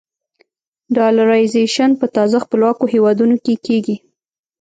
ډالرایزیشن په تازه خپلواکو هېوادونو کې کېږي.